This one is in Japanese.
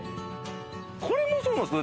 これもそうなんですか？